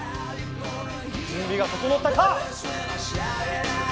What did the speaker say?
準備が整ったか。